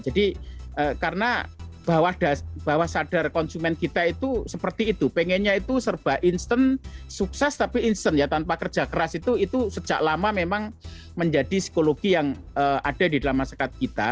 jadi karena bahwa sadar konsumen kita itu seperti itu pengennya itu serba instant sukses tapi instant ya tanpa kerja keras itu itu sejak lama memang menjadi psikologi yang ada di dalam masyarakat kita